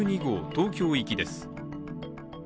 東京行きです。